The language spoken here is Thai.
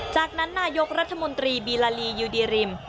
จากนั้นนายกรัฐมนตรีบีลาลียูดีริม